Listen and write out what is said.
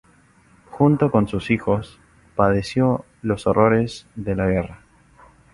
Junto con sus hijos padeció los horrores de la guerra.